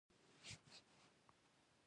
د افغانستان په شمال ختیځ کې چین دی